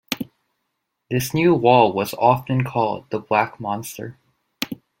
This new wall was often called "The Black Monster.